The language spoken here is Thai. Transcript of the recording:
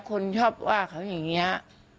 คนชอบว่าเขาอย่างนี้